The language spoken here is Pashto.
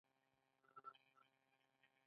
نوښتونه هم د تشویق وړ دي.